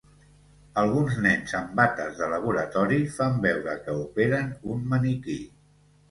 Alguns nens amb bates de laboratori fan veure que operen un maniquí.